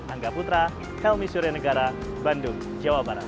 angga putra helmy surenegara bandung jawa barat